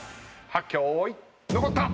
はっけよいのこった！